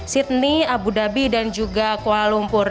sydney abu dhabi dan juga kuala lumpur